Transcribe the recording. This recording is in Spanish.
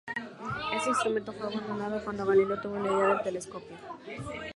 Este instrumento fue abandonado cuando Galileo tuvo la idea del telescopio.